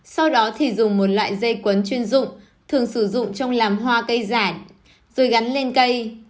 sau đó thì dùng một loại dây quấn chuyên dụng thường sử dụng trong làm hoa cây rản rồi gắn lên cây